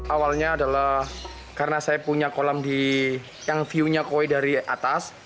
awalnya adalah karena saya punya kolam yang view nya koi dari atas